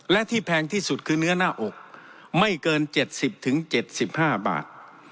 และที่แพงที่สุดคือเนื้อหน้าอกไม่เกินเจ็ดสิบถึงเจ็ดสิบห้าบาท